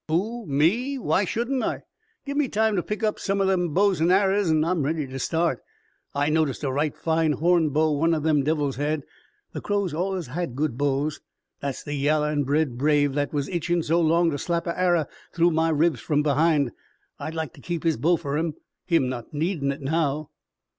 "Who? Me? Why shouldn't I? Give me time to pick up some o' them bows an' arrers an' I'm ready to start. I noticed a right fine horn bow one o' them devils had the Crows allus had good bows. That's the yaller an' red brave that was itchin' so long to slap a arrer through my ribs from behind. I'd like to keep his bow fer him, him not needin' it now."